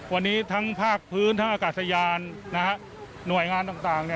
วันนี้ทั้งภาคพื้นทั้งอากาศยานหน่วยงานต่าง